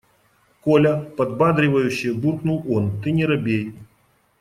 – Коля, – подбадривающе буркнул он, – ты не робей.